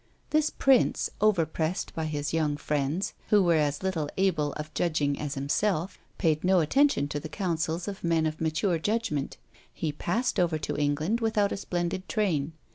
This prince, over pressed by his young friends (who were as little able of judging as himself), paid no attention to the counsels of men of maturer judgment. He passed over to England without a splendid train.